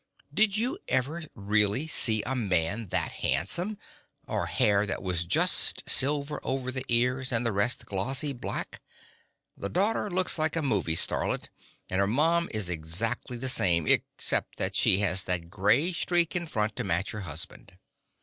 Did you ever really see a man that handsome, or hair that was just silver over the ears and the rest glossy black? The daughter looks like a movie starlet, and her mom is exactly the same, except that she has that grey streak in front to match her husband.